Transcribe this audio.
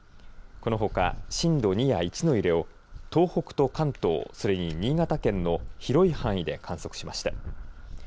このほか震度２や１の揺れを東北と関東、それに新潟県の広い範囲で観測しました。